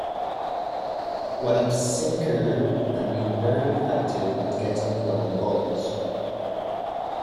Webb's sinker had been very effective at getting ground balls.